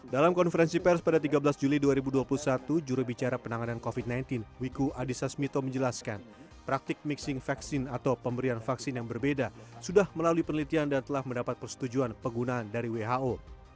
dalam konferensi pers pada tiga belas juli dua ribu dua puluh satu jurubicara penanganan covid sembilan belas wiku adhisa smito menjelaskan praktik mixing vaksin atau pemberian vaksin yang berbeda sudah melalui penelitian dan telah mendapat persetujuan penggunaan dari who